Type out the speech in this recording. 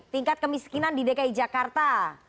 tingkat kemiskinan di dki jakarta